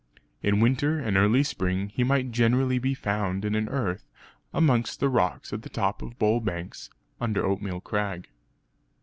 In winter and early spring he might generally be found in an earth amongst the rocks at the top of Bull Banks, under Oatmeal Crag.